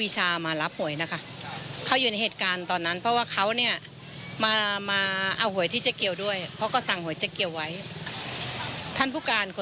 จะยายมาใช่ไหมล่ะ